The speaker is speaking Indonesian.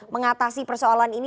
mengatasi persoalan ini